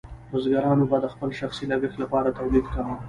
بزګرانو به د خپل شخصي لګښت لپاره تولید کاوه.